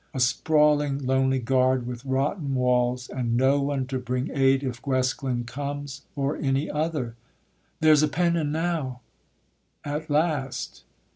_ A sprawling lonely garde with rotten walls, And no one to bring aid if Guesclin comes, Or any other. There's a pennon now! At last.